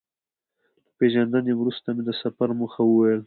له پېژندنې وروسته مې د سفر موخه وویل.